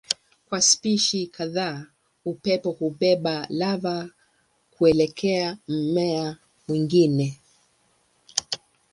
Kwa spishi kadhaa upepo hubeba lava kuelekea mmea mwingine.